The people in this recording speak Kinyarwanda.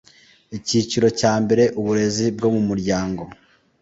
icyiciro cya mbere uburezi bwo mu muryango